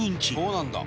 「そうなんだ」